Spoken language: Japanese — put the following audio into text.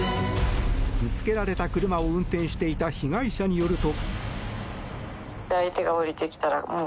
ぶつけられた車を運転していた被害者によると。